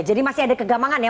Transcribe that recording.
jadi masih ada kegamanan ya